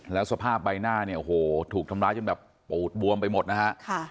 แล้วสภาพใบหน้าเนี่ยโอ้โหถูกทำร้ายจนแบบปูดบวมไปหมดนะฮะ